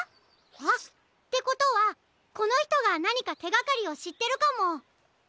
あっ！ってことはこのひとがなにかてがかりをしってるかも！